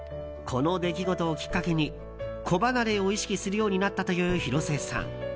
この出来事をきっかけに子離れを意識するようになったという広末さん。